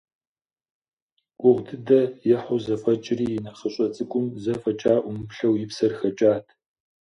Гугъу дыдэ ехьу зэфӀэкӀри, и нэхъыщӀэ цӀыкӀум зэ фӀэкӀа Ӏумыплъэу и псэр хэкӀат.